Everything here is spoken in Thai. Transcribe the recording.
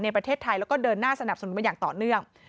ประเทศไทยแล้วก็เดินหน้าสนับสนุนมาอย่างต่อเนื่อง